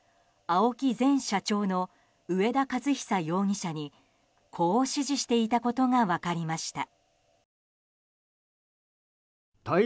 前社長の上田雄久容疑者にこう指示していたことが分かりました。